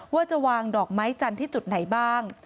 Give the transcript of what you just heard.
ว่าจะวางดอกไม้จันทร์ที่จุดไหนบ้าง